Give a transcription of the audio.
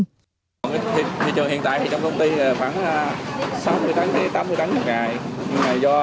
thị trường hiện tại trong công ty khoảng sáu mươi tám mươi tấn một ngày